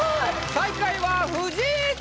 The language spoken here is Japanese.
最下位は藤井隆！